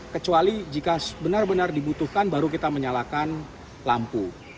kecuali jika benar benar dibutuhkan baru kita menyalakan lampu